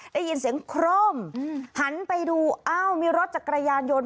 ได้ยินเสียงโคร่มหันไปดูอ้าวมีรถจักรยานยนต์